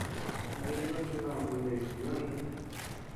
Dínu kuinós ndes nanó iña.